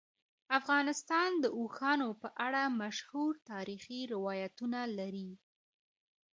افغانستان د اوښانو په اړه مشهور تاریخی روایتونه لري.